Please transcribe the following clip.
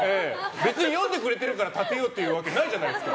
別に読んでくれてるから立てようというわけないじゃないですか。